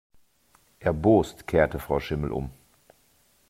Erbost kehrte Frau Schimmel um.